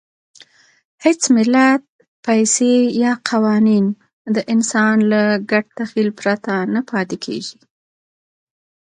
هېڅ ملت، پیسې یا قوانین د انسان له ګډ تخیل پرته نه پاتې کېږي.